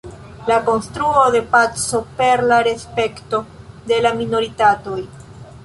La konstruo de paco per la respekto de la minoritatoj.